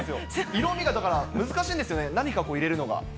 色味がだから、難しいんですよね、何かこう入れるのが。